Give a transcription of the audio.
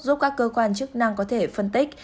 giúp các cơ quan chức năng có thể phân tích